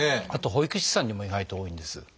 あと保育士さんにも意外と多いんです。